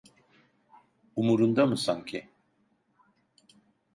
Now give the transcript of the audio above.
Umurunda mı sanki?